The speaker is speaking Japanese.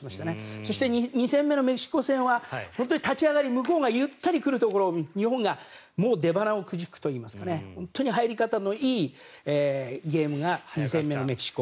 そして２戦目のメキシコ戦は立ち上がり、向こうがゆったり来るところを日本がもう出ばなをくじくといいますか入り方のいいゲームが２戦目のメキシコ。